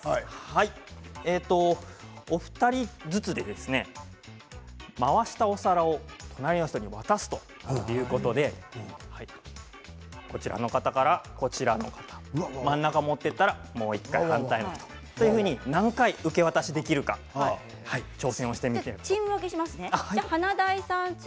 お二人ずつ回したお皿を隣の人に渡すということでこちらの方から、こちらの方真ん中を持っていったらもう１回反対の人と何回受け渡しができるのか挑戦してみてください。